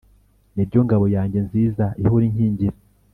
Niryo ngabo yanjye nziza ihora inkingira